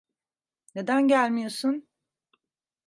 Neden gelmiyorsun?